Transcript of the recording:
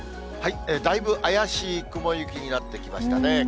だいぶ怪しい雲行きになってきましたね。